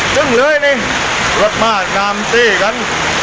ขึ้นไปขึ้นไปขึ้นไปนี่รถมาดนามเต้กัน